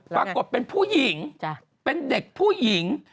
ปรากฏเป็นผู้หญิงเป็นเด็กผู้หญิง